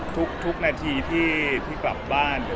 ทุกนาทีที่กลับบ้าน